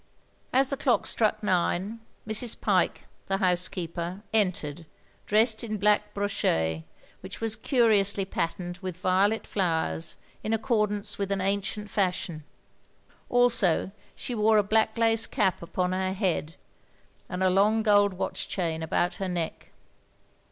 As the clock struck nine, Mrs. Pyke, the house keeper, entered, dressed in black broch6, which was curiously patterned with violet flowers in accordance with an ancient fashion ; also she wore a black lace cap upon her head, and a long gold watch chain about her neck.